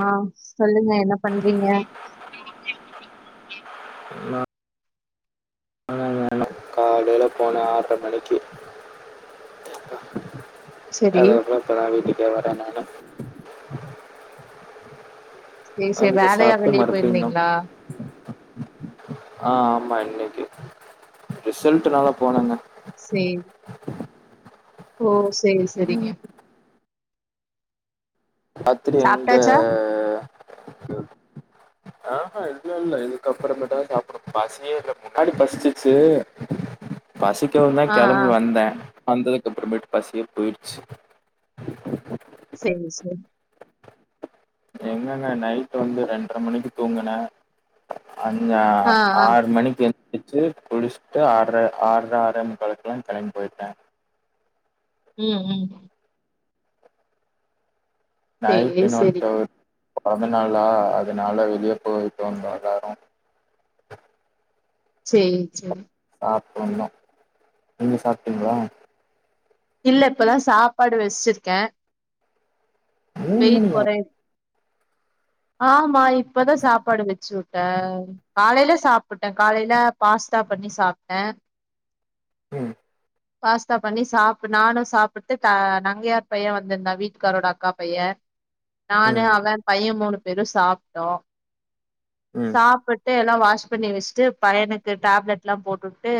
ஆ சொல்லுங்க என்ன பண்றீங்க நா ஆமாங்க காலைல போன ஆர்ற மணிக்கி சரி. அதுக்கப்றோ இப்பதா வீட்டுக்கே வர நானு சேரி சேரி வந்து வேலையா சாப்ட்டு வெளிய மறுபடினு போயிருந்தீங்களா? ஆ ஆமா இன்னைக்கு ரிசல்ட்டு நால போனங்க சேரி ஓ செரி செரிங்க ம் ராத்திரி எங்க சாப்ட்டாச்சா? ஆஹா இல்ல இல்ல இதுக்கப்புறமேட்ட சாப்படு பசியே இல்ல முன்னாடி பசிச்சிச்சு பசிக்கவுந்தா ஆ ஆ கெளம்பி வந்த வந்ததுக்கு அப்புறமேட்டு பசியே போயிடுச்சு சேரி சேரி எங்கங்க நைட் வந்து ரெண்டர மணிக்கு தூங்குன அஞ்சு ஆ ஆ ஆறு மணிக்கு எந் திருச்சு குளிச்சுட்டு ஆர்ற ஆர்ற ஆரே முக்காலுக்கெல்லா கெளம்பி போயிட்ட ம் ம் சேரி நைட்டு சேரி இன்னொருத்தோர் பொறந்தனாளா அதனால வெளிய போயிட்டு வந்தோ எல்லாரு சேரி சேரி சாப்புண்ணு நீங்க சாப்ட்டீங்ளா இல்ல இப்பதா சாப்பாடு வச்சிருக்கே மூணு வெயிட் மணியா கொறையிது ஆமா இப்பதா சாப்பாடு வச்சு வுட்டே காலைல சாப்ட்டே காலைல பாஸ்தா பண்ணி சாப்ட்டே ம் பாஸ்தா பண்ணி சாப்ப நானு சாப்டுட்டு த நங்கையயார் பையன் வந்திருந்தா வீட்டுக்காரோட அக்கா பையன் நானு ம் அவன் பையன் மூணு பேரு சாப்ட்டோ ம் சாப்புட்டு எல்லா வாஷ் பண்ணி வச்சுட்டு பையனுக்கு டேப்லெட் எல்லா போட்டுட்டு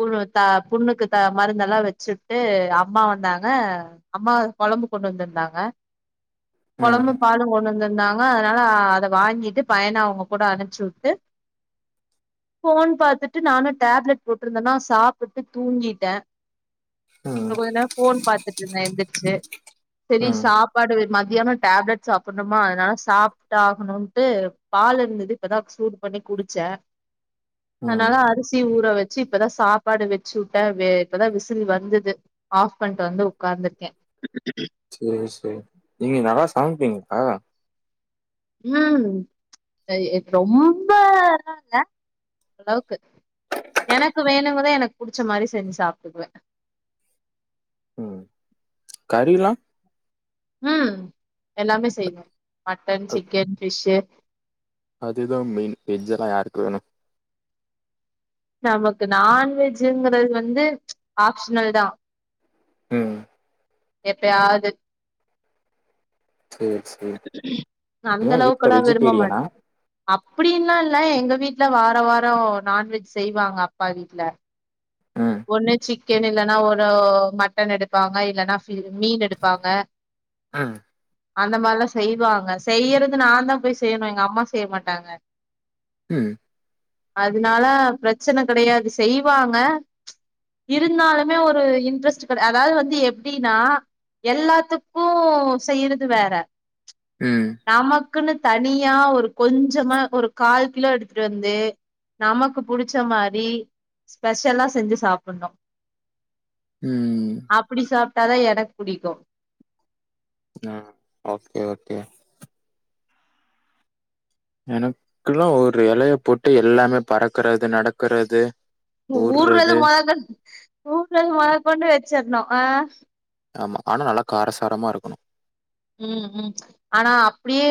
புரு தா புண்ணுக்கு தா மருந்தெல்லா வச்சிவுட்டு அம்மா வந்தாங்க அம்மா கொழம்பு கொண்டு வந்துருந்தாங்க ம் கொழம்பு பாலு கொண்டு வந்து ருந்தாங்க அதனால அத வாங்கிட்டு பையன அவுங்க கூட அனுப்ச்சுட்டு போன் பாத்துட்டு நானு டேப்லெட் போட்ருந்தன்னா சாப்ட்டுட்டு தூங்கிட்ட ம் கொஞ்சநேரம் போன் பாத்துட்டு இருந்த எந்திருச்சு செரி ம் சாப்பாடு மதியான டேப்லெட் சாப்புனுமா அதனால சாப்ட்டாகணும்ன்ட்டு பால் இருந்தது இப்போதா சூடு பண்ணி குடிச்ச ம் அதனால அரிசி ஊற வச் சி இப்பதா சாப்பாடு வச்சுவுட்ட இப்பதா விசில் வந்துது ஆஃப் பண்ட்டு வந்து உட்காந்துருக்க சேரி சேரி நீங்க நல்லா சமப்பீங்க்கா ம் ரொம்ப அதலா இல்ல ஓரளவுக்கு எனக்கு வேணுங்கத எனக்கு புடிச்ச மாரி செஞ்சு சாப்ட்டுக்குவ ம் கறிலா ம் எல்லாமே செய்வ மட்டன் அது சிக்கன் ஃபிஷ்ஷு அதுதா மெயின் வெஜ்ஜெல்லா யாருக்கு வேணு நமக்கு நான்வெஜ்ஜுங்கிறது வந்து ஆப்ஷனல் தா ம் எப்பயாவது சேரி சேரி அந்த ஏ வீட்ல அளவுக்ககெல்லாம் விரும்ப வெஜிடேரியனா மாட்டேன் அப்டின்ல்லா இல்ல எங்க வீட்ல வாரம் வாரம் நான்வெஜ் செய்வாங்க அப்பா வீட்ல ம் ஒண்ணு சிக்கன் இல்லன்னா ஒரு மட்டன் எடுப்பாங்க இல்லன்னா மீனு எடுப்பாங்க [inaudible] ஆ அந்த மாரிலாம் செய்வாங்க செய்யறது நான் தான் போய் செய்யணும் எங்க அம்மா செய்ய மாட்டாங்க ம் அதுனால பிரச்சன கெடையாது செய்வாங்க இருந்தாலுமே ஒரு இன்ட்ரெஸ்ட் கெடையா அதாவது வந்து எப்டின்னா எல்லாத்துக்கும் செய்றது வேற ம் நமக்குன்னு தனியா ஒரு கொஞ்சமா ஒரு கால் கிலோ எடுத்துட்டு வந்து நமக்கு புடிச்ச மாதிரி ஸ்பெஷலா செஞ்சு சாப்புணும் ம் அப்டி சாப்ட்டாதான் எனக்கு புடிக்கும் ம் ஓகே ஓகே எனக்குல்லாம் ஒரு எலைய போட்டு எல்லாமே பறக்கறது நடக்கறது ஊர்ரது ஊர்றது மொதக் ஊர்ரது மொத கொண்டு வச்சிற்ணும் ஆ ஆமா அனா நல்லா காரசாரமா இருக்கும் ம் ம் ஆனா அப்டியே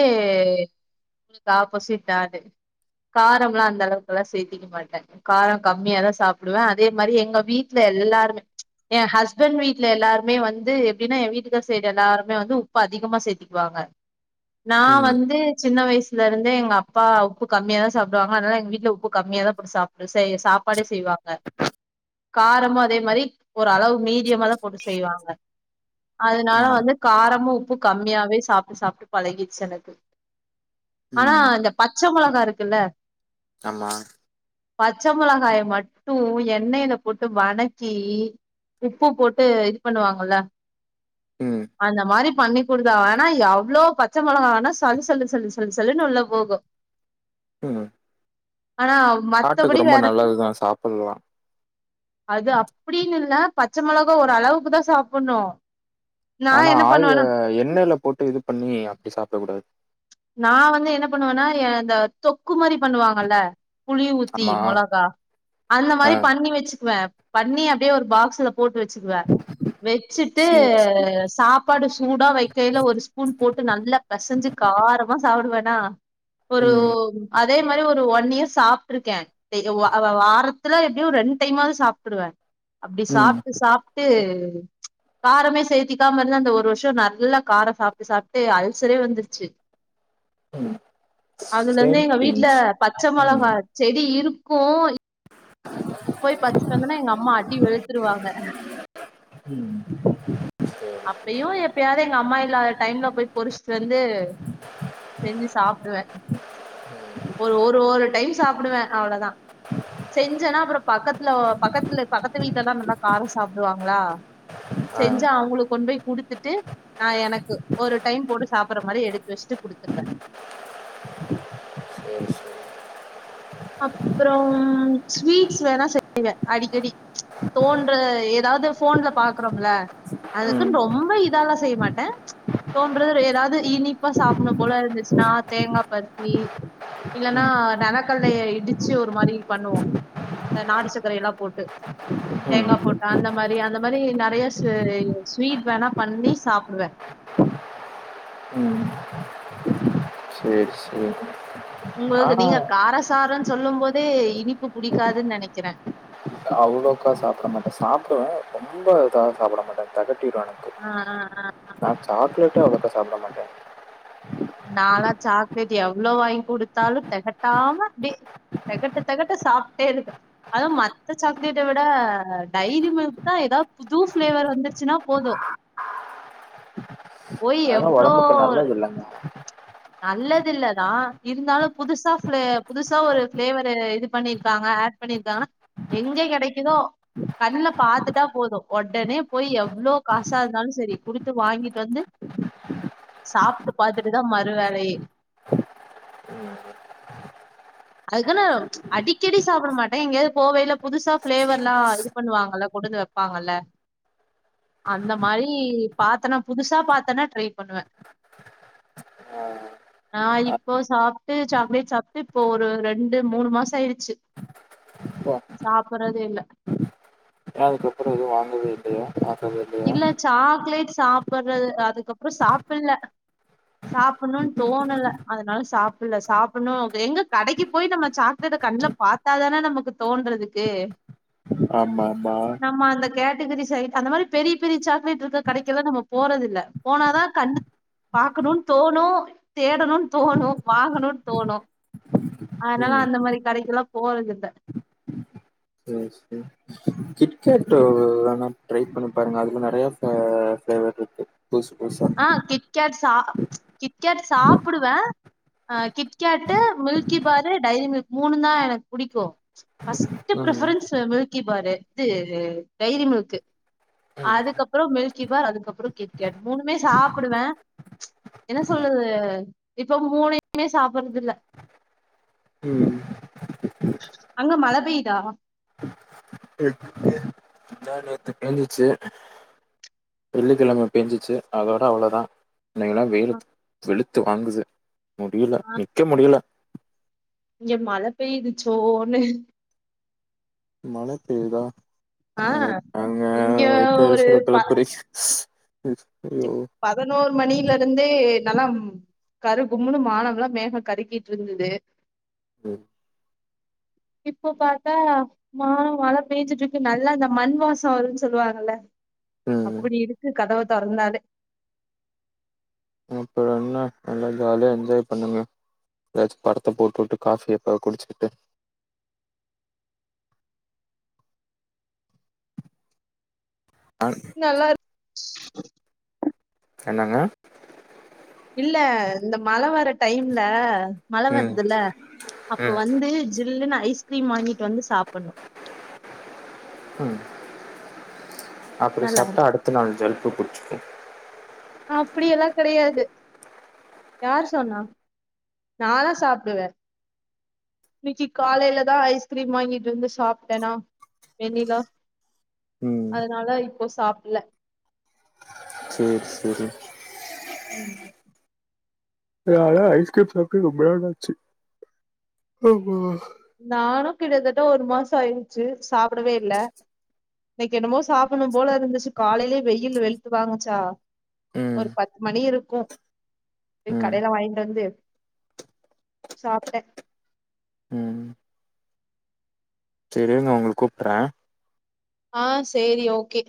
உ ஆப்போசிட் நானு காரம்லாம் அந்தளவுக்கெல்லாம் சேத்திக்க மாட்டேன் காரம் கம்மியாதான் சாப்டுவேன் அதே மாதிரி எங்க வீட்ல எல்லாருமே என் ஹஸ்பண்ட் வீட்ல எல்லாருமே வந்து எப்டின்னா என் வீட்டுக்கார் சைடுல எல்லாருமே வந்து உப்பு அதிகமா சேத்திக்குவாங்க நான் ம் வந்து சின்ன வயசு லருந்து எங்க அப்பா உப்பு கம்மியா தான் சாப்டுவாங்க அதனால எங்க வீட்ல உப்பு கம்மிய தான் போட்டு சாப்பி சாப்பாடே செய்வாங்க க காரமும் அதே மாதிரி ஒருரெளவு மீடியமா தான் போட்டு செய்வாங்க அதனால ம் வந்து காரமும் உப்பு கம்மியாவே சாப்ட்டு சாப்ட்டு பழகிடுச்சு எனக்கு ஆ ம் இந்த பச்ச மொளகா இருக்குல்ல ஆம்மா பச்ச மொளகாய மட்டும் எண்ணெயில போட்டு வணக்கி உப்பு போட்டு இது பண்ணுவாங்கல்ல ம் அந்த மாரி பண்ணி கொடுத்தா ஆனா எவ்ளோ பச்சை மொளகா வேனா சல்லு சல்லு சல்லு சல்லு சல்லுனு உள்ள போகும் ம் ஆனால் ஹார்ட்க்கு ரொம்ப நல்லது தான் சாப்ட்லாம் அது அப்டின்னு இல்ல பச்ச மெளகா ஒரு அளவுக்கு தான் சாப்டணும் ஆனா ஆயில் எண்ணெயில போட்டு இது பண்ணி அப்டி சாப்ட கூடாது நான் வந்து என்ன பண்ணுவேன்னா இந்த தொக்கு மாரி பண்ணுவாங்கல்ல புளி ஊத்தி ஆமா மொளகா அந்த ஆ மாதிரி பண்ணி வச்சுக்குவேன் பண்ணி அப்டியே ஒரு பாக்ஸ்ல போட்டு வச்சுக்குவே வச்சுட்டு சேரி சேரி சாப் பாடு சூடா வைக்கையில ஒரு ஸ்பூன் போட்டு நல்லா பெசஞ்சு காரமா சாப்டு வேனா ஒரு ம் அ அதே மாதிரி ஒரு ஒன் இயர் சாப்ட்டுருக்கேன் [unintelligible] வாரத்துல வந்து ரெண்டு சாப்ட்றுவேன் அப்டி ம் சாப்ட்டு சாப்ட்டு காரமே சேர்த்திக்காம இருந்து அந்த ஒரு வருஷம் நல்லா காரம் சாப்ட்டு சாப்ட்டு அல்சரே வந்துருச்சு ம் அதுல இருந்து எங்க வீட்ல சேம்பிஞ்ச் பச்ச ம் மொளகா செடி இருக்கும் போய் பறிச்சிட்டு வந்தனா எங்க அம்மா அடி வெளுத்துருவாங்க ம் சேரி அப்பையும் எப்பயாது எங்க அம்மா இல்லாத டைம்ல போய் பொரிஸ்ட்டு வந்து செஞ்சி சாப்பிடுவேன் ஒரு ஒரு ஒரு டைம் சாப்பிடுவேன் அவ்ளோதான் செஞ்சன்னா அப்புறம் பக்கத்துல ஒ பக்கத்துல பக்கத்து வீட்லல்லாம் நல்லா காரம் சாப்பிடுவாங்களா ஆ செஞ்சா அவுங்களுக்கு கொண்டு போய் குடுத்துட்டு அ எனக்கு ஒரு டைம் போட்டு சாப்பற மாரி எடுத் ரெஸ்ட் குடுத்துருவ சேரி சேரி அப்பறோ ஸ்வீட்ஸ் வேணாம் செய்வேன் அடிக்கடி தோன்ற ஏதாவது போன்ல பாக்குறோம்ல ம் அதுக்குன்னு ரொம்ப இதல்லாம் செய்ய மாட்டேன் தோன்றது ஏதாவது இனிப்பா சாப்பன்னு போல இருந்துச்சுன்னா தேங்கா பர்பி இல்லன்னா நலக் கல்லைய இடிச்சு ஒரு மாதிரி பண்ணுவோம் நாட்டு சர்க்கரையெல்லாம் போட்டு ம் தேங்காய் போட்டு அந்த மாரி அந்த மாரி நிறைய ஸ் ஸ்வீட் வேணாம் பண்ணி சாப்பிடுவேன் ம் சேர் சேரி உங்கள்து ஆனா நீங்க காரசாரன்னு சொல்லும் போதே இனிப்பு புடிக்காதுன்னு நினைக்கிறேன் அவ்ளோக்கா சாப்பிட மாட்டேன் சாப்பிடுவேன் ரொம்ப இதா சாப்பிட மாட்டேன் தெகட்டிடு எனக்கு ஆ ஆ ஆ நான் சாக்லேட்டே அவ்ளோக்கா சாப்ட மாட்டேன் நாளா சாக்லேட் எவ்ளோ வாங்கி குடுத்தாலும் திகட்டாம அப்டே தெகட்ட தெகட்ட சாப்ட்டே இருப்ப அதும் மத்த சாக்லேட்ட விட டைரி மில்க் தான் ஏதா புது ஃபிளேவர் வந்துச்சுன்னா போதும் போய் அதெல்லா எவ்ளோ ஒடம்புக்கு நல்லது இல்லங்க நல்லதில்லதான் இருந்தாலும் புதுசா ஃபிளே புதுசா ஒரு ஃபிளேவரு இது பண்ணிருக்காங்க ஆட் வந்திருகாங்கனா எங்க கெடைக்குதோ கண்ல பாத்துட்டா போதும் உடனே போய் எவ்வளோ காசா இருந்தாலும் சரி குடுத்து வாங்கிட்டு வந்து சாப்ட்டு பார்த்துட்டுதான் மறு வேலையே ம் அதுக்கன்னா அடிக்கடி சாப்பிட மாட்டேன் எங்கேயாது போவேல புதுசா பிளேவர்ல்லாம் இரு பண்ணுவாங்கல்ல கொண்டு வந்து வைப்பாங்கல்ல அந்த மாரி பாத்தனா புதுசா பா்த்தனா ட்ரை பண்ணுவேன் நா இப்போ சாப்ட்டு சாக்லேட் சாப்ட்டு இப்ப ஒரு ரெண்டு மூணு மாசம் ஆயிடுச்சு ஓ சாப்புடுறதே இல்ல ஏ அதுக்கப்புறம் எதும் வாங்குறதே இல்லையா ஆச எதும் இல்லையா இல்ல சாக்லேட் சாப்டுறது அதுக்கப்புறம் சாப்பில்ல சாப்பணும்ன்னு தோணல அதனால சாப்பில்ல சாப்பணும் எங்க கடைக்கு போய் நம்ம சா க்குது கண்ணு பார்த்தாதானே நமக்கு தோன்றதுக்கு ஆமா ஆமா நம்ம அந்த கேட்டகிரி சைட் அந்த மாரி பெரி பெரி சாக்லேட் இருக்கு கடைக்கல்லா நம்ம போறதில்ல போனாதான் கண்ணு பாக்கணுனு தோணு தேடணுனு தோணு வாங்கணுனு தோணு அதுனால ம் அந்த மாரி கடைக்குலா போறதில்ல சேரி சேரி கிட்கேட்டு வேனா ட்ரை பண்ணி பாருங்க அதுல நெறைய ஃப ஃபிளேவர் ருக்கு புதுஸ் புதுசா ஆ கிட்கேட்டு சா கிட்கேட்டு சாப்டுவே ஆ KitKat Milky Bar Dairy Milk மூண்ணு தா எனக்கு புடிக்கு ஃபஸ்ட்டு ம் பிரிஃபரன்ஸ்சு மில்கி பாரு இது டைரி மில்க் கு ம் அதுக்கப்பறோ மில்கி பார் அதுக்கப்பறோ கிட்கேட் மூணுமே சாப்டுவே என்ன சொல்றது இப்ப மூணையுமே சாப்றது இல்ல ம் அங்க மழ பெய்தா இ இல்லயே பேஞ்சுச்சு வெள்ளிக்கெழம பேஞ்சுச்சு அதோட அவ்ளோதா இன்னைகெல்லா வெயிலு வெளுத்து வாங்குது முடியல நிக்க முடியல இங்க மழை பெய்யுது சோன்னு மழ பெய்யுதா ஆ அது ஏங்க இங்க ஒரு வைத்தெறுச்சல ப கெலப்புரிங் ரிச் பிரியோ பதினோரு மணில இருந்தே நலம் கரு கும்னு மானமெல்லா மேக கருக்கிட்டு இருந்தது ம் இப்போ பாத்தா மா மழ பேய்ச்சுட்டு இருக்கு நல்லா இந்த மண் வாசோ வருன்னு சொல்லுவாங்கல்ல ம். அப்டி இருக்கு கதவ தொறந்தாலே அப்பற என்ன நல்லா ஜாலியா என்ஜாய் பண்ணுங்க ஏதாச்சு படத்த போட்டுவுட்டு காஃபியப் ப குடிச்சிகிட்டு ஆன் நல்லா இரு என்னங்க இல்ல இந்த மழ வர டைம்ல மழ ம், வரதுல்ல அப்போ ம், வந்து ஜில்னு ஐஸ்கிரீம் வாங்கிட்டு வந்து சாப்பிணு ம் அப்டி நல்லா இருக்கு சாப்டா அடுத்த நாள் ஜல்ப்பு புடிச்சுக்கு அப்டியெல்லா கெடையாது யார் சொன்னா நாலா சாப்டுவே இன்னைக்கி காலேல தா ஐஸ்கிரீம் வாங்கிட்டு வந்து சாப்டேனா வெண்ணிலா ம். அதனால இப்போ சாப்பில சேரி சேரி ம் நாலா ஐஸ்கிரிம் சாப்டு ரொம்பா நாலாச்சு அம்மா நானு கிட்டத்தட்ட ஒரு மாச ஆயிருச்சு சாப்டவே இல்ல இன்னைக்கி என்னமோ சாப்பிணு போல இருந்துச்சு காலேலயே வெயில் வெளுத்து வாங்குச்சா ம், ஒரு பத்து மணி இருக்கு போய் ம், கடேல வாங்கிட்டு வந்து சாப்டே ம் செரி இருங்க உங்களுக்கு கூப்றே ஆ சேரி ஓகே